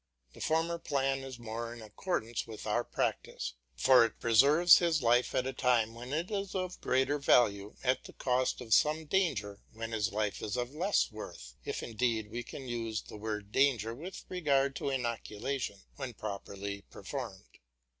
The former plan is more in accordance with our practice, for it preserves his life at a time when it is of greater value, at the cost of some danger when his life is of less worth; if indeed we can use the word danger with regard to inoculation when properly performed.